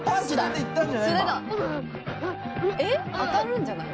「えっ？当たるんじゃない？」